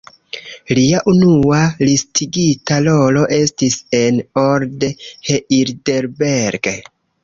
Lia unua listigita rolo estis en "Old Heidelberg".